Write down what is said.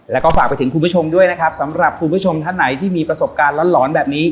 แล้วก็ฝากไปถึงคุณผู้ชมด้วยนะครับสำหรับคุณผู้ชมท่านไหนที่มีประสบการณ์หลอนแบบนี้